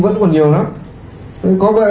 vẫn còn nhiều lắm